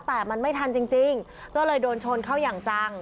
แต่มันไม่ทันจริงก็เลยโดนชนเข้าอย่างจัง